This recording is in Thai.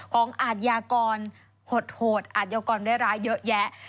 ของอาจยากรหดอาจยากรด้วยร้ายเยอะแยะ